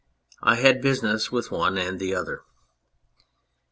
I had business with one and the other.